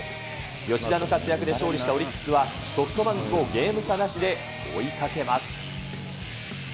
吉田の活躍で勝利したオリックスは、ソフトバンクをゲーム差なしで追いかけます。